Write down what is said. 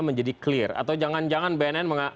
menjadi clear atau jangan jangan bnn